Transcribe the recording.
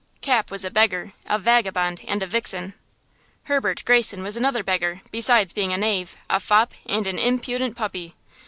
Cap was a beggar, a vagabond and a vixen. Herbert Greyson was another beggar, besides being a knave, a fop and an impudent puppy.